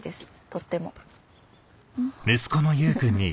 とっても。